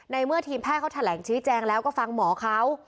เมื่อทีมแพทย์เขาแถลงชี้แจงแล้วก็ฟังหมอเขา